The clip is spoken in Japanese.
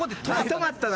止まったな。